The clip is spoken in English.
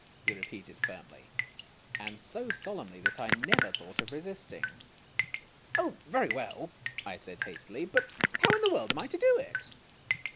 he repeated firmly, and so solemnly that I never thought of resisting. " Oh, very well," I said hastily ;" but how in the world am I to do it ?